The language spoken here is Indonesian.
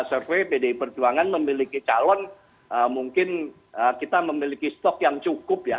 tapi di tdi perjuangan memiliki calon mungkin kita memiliki stok yang cukup ya